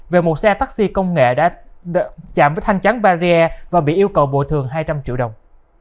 về một xe taxi công nghệ đã chạm với thanh chắn barrier và bị yêu cầu bồi thường hai trăm linh triệu đồng